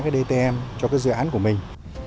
đtm cho dự án của mình